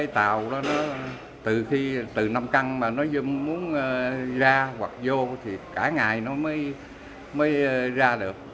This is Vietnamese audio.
tại vì từ năm căn để ra hoặc vô cả ngày mới ra được